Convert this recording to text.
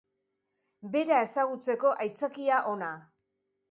Bera ezagutzeko aitzakia ona.